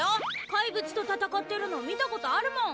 怪物と戦ってるの見たことあるもん！